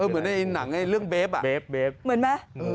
เหมือนในหนังเรื่องเบฟอ่ะเบฟเหมือนไหม